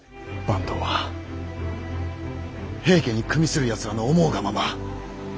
坂東は平家に与するやつらの思うがまま。